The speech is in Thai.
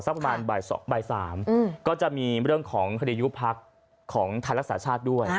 สักประมาณบ่าย๓ก็จะมีเรื่องของคดียุคพรรคของธัญภัฬศาสตร์ด้วย